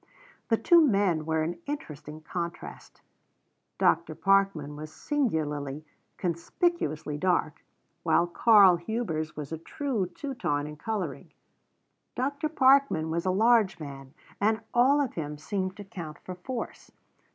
The two men were an interesting contrast; Dr. Parkman was singularly, conspicuously dark, while Karl Hubers was a true Teuton in colouring. Dr. Parkman was a large man, and all of him seemed to count for force.